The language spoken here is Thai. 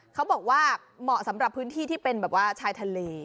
เขาบอกว่าเหมาะสำหรับพื้นที่ที่เป็นแบบว่าชายทะเล